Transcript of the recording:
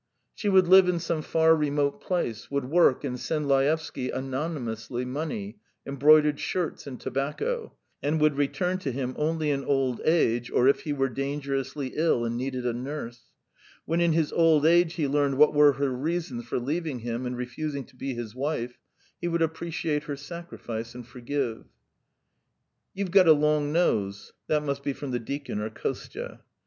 She would live in some far remote place, would work and send Laevsky, "anonymously," money, embroidered shirts, and tobacco, and would return to him only in old age or if he were dangerously ill and needed a nurse. When in his old age he learned what were her reasons for leaving him and refusing to be his wife, he would appreciate her sacrifice and forgive. "You've got a long nose." That must be from the deacon or Kostya.